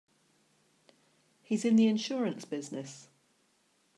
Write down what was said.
He's in the insurance business.